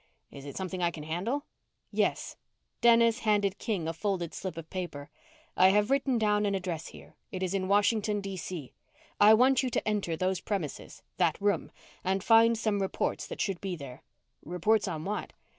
"Is it something I can handle?" "Yes." Dennis handed King a folded slip of paper. "I have written down an address there. It is in Washington, D.C. I want you to enter those premises that room and find some reports that should be there." "Reports on what?"